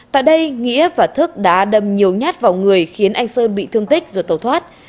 tại đây nghĩa và thức đã đâm nhiều nhát vào người khiến anh sơn bị thương tích rồi tẩu thoát